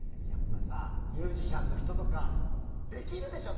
ミュージシャンの人とかできるでしょ。